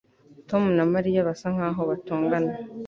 Tom na Mariya basa nkaho batongana